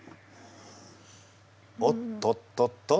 おっとっとっと。